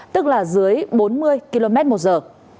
tức là dưới bốn mươi km một giờ